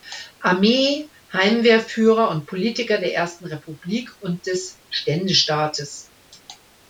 Armee, Heimwehrführer und Politiker der Ersten Republik und des "Ständestaates".